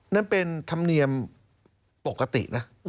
นั่นเป็นธรรมเนียมปกตินะ